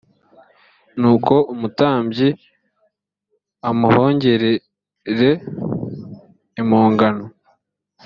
nuko umutambyi amuhongerere impongano